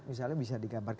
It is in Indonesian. misalnya bisa digambarkan